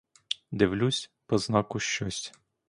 Дивлюсь — по знаку щось.